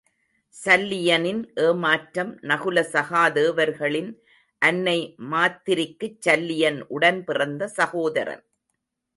சல்லியனின் ஏமாற்றம் நகுல சகாதேவர்களின் அன்னை மாத்திரிக்குச் சல்லியன் உடன் பிறந்த சகோதரன்.